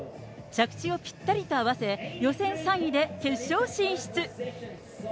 着地をぴったりと合わせ、予選３位で決勝進出。